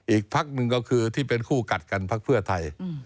อีกพักหนึ่งก็คือที่เป็นคู่กัดกันพักเพื่อไทย